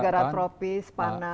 tidak negara tropis panas